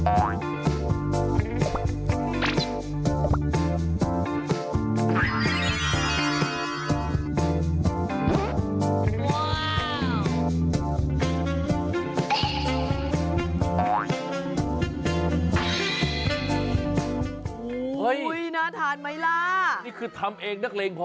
น่าทานไหมล่ะนี่คือทำเองนักเลงพอ